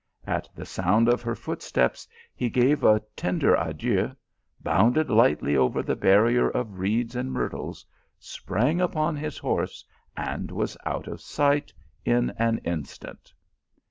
At the sound of her footsteps he g?ve a ttn der adieu, bounded lightly over the barrier of reeds and myrtles, sprang upon his horse, and was out of sight in an instant.